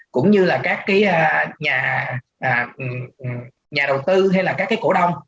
cũng như là các cái nhà đầu tư hay là các cái cổ đông